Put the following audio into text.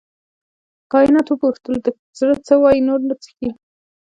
کانت وپوښتل د زړه څخه وایې نور نه څښې.